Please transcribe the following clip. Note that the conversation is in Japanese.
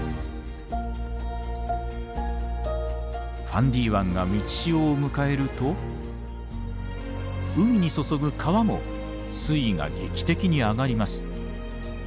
ファンディ湾が満ち潮を迎えると海に注ぐ川も水位が劇的に上がります。